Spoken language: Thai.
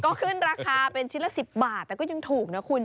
ก็ขึ้นราคาเป็นชิ้นละ๑๐บาทแต่ก็ยังถูกนะคุณ